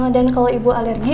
dan kalau ibu alergi